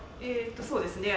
そうですね。